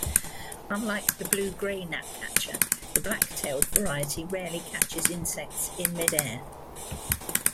Unlike the blue-gray gnatcatcher, the black-tailed variety rarely catches insects in midair.